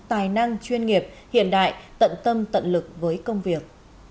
tài năng chuyên nghiệp hiện đại tận tâm tận lực với công việc